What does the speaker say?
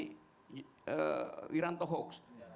berarti wiranto hoaks